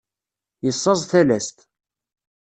Yessaẓ talast.